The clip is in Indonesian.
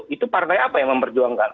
itu partai apa yang memperjuangkan